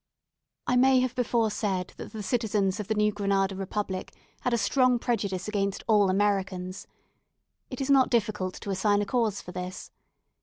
I may have before said that the citizens of the New Granada Republic had a strong prejudice against all Americans. It is not difficult to assign a cause for this.